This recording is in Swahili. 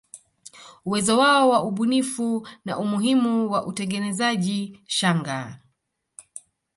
Uwezo wao wa ubunifu na umuhimu wa utengenezaji shanga